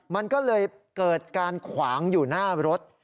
มันก็เลยเกิดการขวางอยู่หน้ารถ